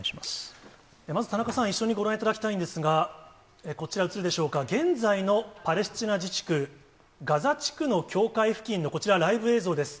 まず田中さん、一緒にご覧いただきたいんですが、こちら、映るでしょうか、現在のパレスチナ自治区、ガザ地区の境界付近のこちら、ライブ映像です。